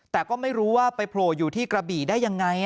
แต่ก็ไม่รู้ว่าไปโผล่อยู่ที่กระบี่ได้ยังไง